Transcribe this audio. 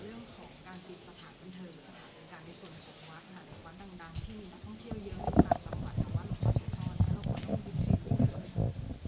ที่มีนักท่องเที่ยวเยอะอยู่ต่างจังหวัดหรือวัดสุธรรมหรือวัดบุคลิปหรือวัดบุคลิป